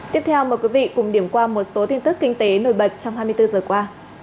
tiếp theo mời quý vị cùng điểm qua một số tin tức kinh tế nổi bật trong hai mươi bốn giờ qua